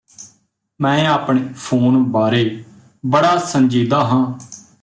ਮੈਂ ਆਪਣੇ ਫੋਨ ਬਾਰੇ ਬੜਾ ਸੰਜੀਦਾ ਹਾਂ